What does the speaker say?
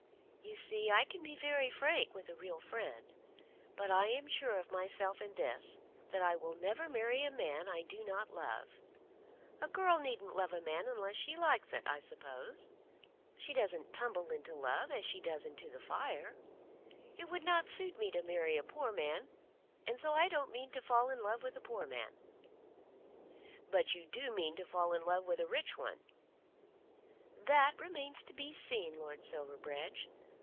"You see I can be very frank with a real friend. But I am sure of myself in this, that I will never marry a man I do not love. A girl needn't love a man unless she likes it, I suppose. She doesn't tumble into love as she does into the fire. It would not suit me to marry a poor man, and so I don't mean to fall in love with a poor man." "But you do mean to fall in love with a rich one?" "That remains to be seen, Lord Silverbridge.